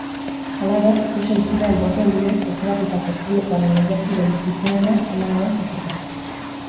Halaber, ikus-entzuleen botoen bidez aukeratutako publikoaren lehiakiderik kuttunena emango da jakitera.